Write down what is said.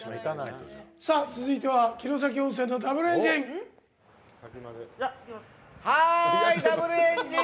続いては城崎温泉のＷエンジン。